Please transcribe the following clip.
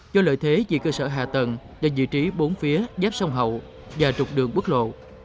do lợi thế vì cơ sở hạ tầng đã dự trí bốn phía giáp sông hậu và trục đường bước lộ